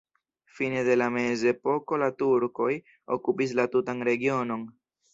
Fine de la mezepoko la turkoj okupis la tutan regionon.